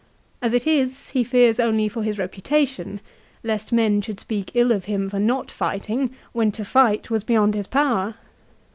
As it is he fears only for his reputation, lest men should speak ill of him for not fighting, when to fight was beyond his power.